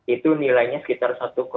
itu nilainya sekitar satu lima